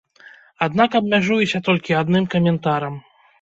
Аднак абмяжуюся толькі адным каментарам.